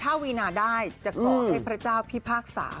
ถ้าวีนาได้จะขอให้พระเจ้าพิพากษา